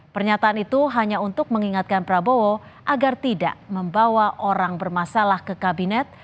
pernyataan itu hanya untuk mengingatkan prabowo agar tidak membawa orang bermasalah ke kabinet